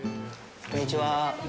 こんにちは。